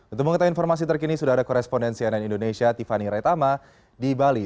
untuk mengetahui informasi terkini sudah ada korespondensi ann indonesia tiffany raitama di bali